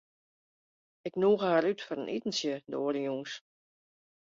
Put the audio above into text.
Ik nûge har út foar in itentsje de oare jûns.